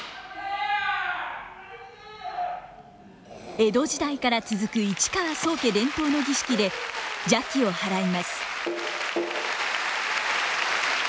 江戸時代から続く市川宗家伝統の儀式で邪気を払います。